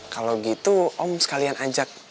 kalau gitu om sekalian ajak